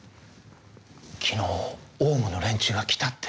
昨日オウムの連中が来たって。